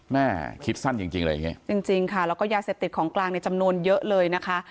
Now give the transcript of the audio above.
แม่คิดสั้นจริงจริงอะไรอย่างเงี้ยจริงจริงค่ะแล้วก็ยาเสพติดของกลางในจำนวนเยอะเลยนะคะ